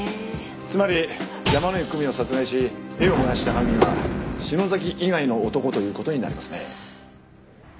つまり山井久美を殺害し絵を燃やした犯人は篠崎以外の男という事になりますね。